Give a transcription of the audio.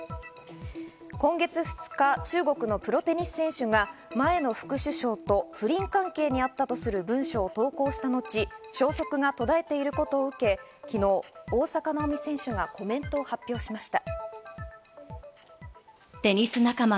今月２日、中国のプロテニス選手が前の副首相と不倫関係にあったとする文書を投稿した後、消息が途絶えていることを受け、昨日、大坂なおみ選手はコメントを発表しました。